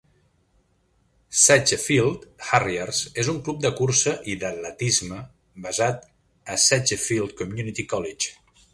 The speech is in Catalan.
"Sedgefield Harriers" és un club de cursa i d'atletisme basat a Sedgefield Community College.